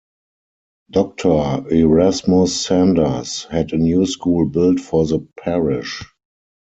Doctor Erasmus Sanders, had a new school built for the parish.